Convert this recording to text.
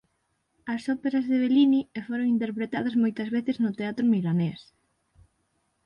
As óperas de Bellini e foron interpretadas moitas veces no teatro milanés.